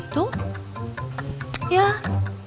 untuk kali ini